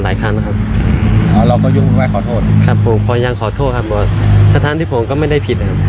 แล้วเขาว่าไงบ้างตอนนั้นตอนเรายุ่งไว้ไว้